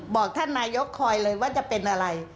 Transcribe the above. บอกท่านนายกคอยเลยว่าจะเป็นอะไร